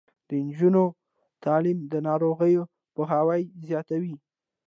د نجونو تعلیم د ناروغیو پوهاوی زیاتوي.